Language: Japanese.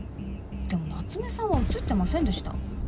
でも夏目さんは写ってませんでした。